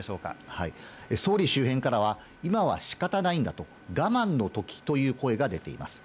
はい、総理周辺からは今は仕方ないんだと、我慢のときという声が出ています。